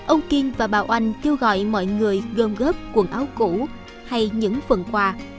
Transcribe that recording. ông kiên và bà oanh kêu gọi mọi người gồm góp quần áo cũ hay những phần quà